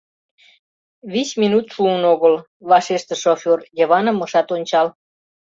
— Вич минут шуын огыл, — вашештыш шофёр, Йываным ышат ончал.